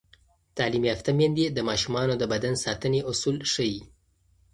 تعلیم یافته میندې د ماشومانو د بدن ساتنې اصول ښيي.